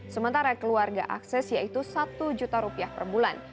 sementara keluarga akses yaitu rp satu juta per bulan